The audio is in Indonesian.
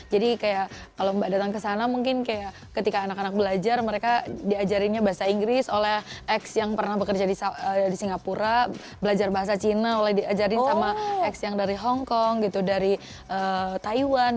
jadi kayak kalau mbak datang ke sana mungkin kayak ketika anak anak belajar mereka diajarinnya bahasa inggris oleh ex yang pernah bekerja di singapura belajar bahasa cina oleh diajarin sama ex yang dari hongkong gitu dari taiwan